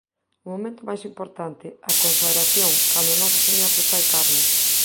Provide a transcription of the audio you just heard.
O momento máis importante, a consagración, cando o Noso Señor se fai carne.